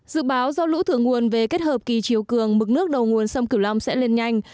dự báo do lũ thử nguồn về kết hợp kỳ chiều cường mực nước đầu nguồn sông cửu long sẽ lên nhanh